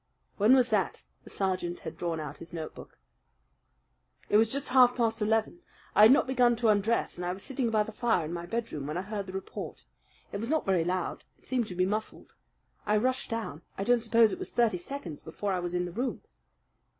"When was that?" The sergeant had drawn out his notebook. "It was just half past eleven. I had not begun to undress, and I was sitting by the fire in my bedroom when I heard the report. It was not very loud it seemed to be muffled. I rushed down I don't suppose it was thirty seconds before I was in the room."